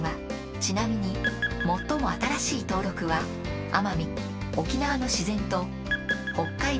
ちなみに最も新しい登録は奄美・沖縄の自然と。